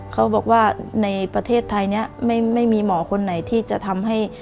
เขาบอกว่าในประเทศไทยนี้ไม่มีหมอคนไหนที่จะทำให้